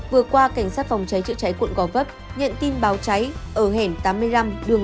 vừa qua cảnh sát phòng cháy chữa cháy quận gò vấp nhận tin báo cháy ở hẻn tám mươi năm đường năm mươi một